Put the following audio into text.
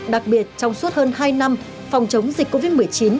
đặc biệt trong suốt hơn hai năm phòng chống dịch covid một mươi chín